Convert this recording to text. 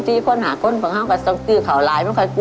ทำไมล่ะครับ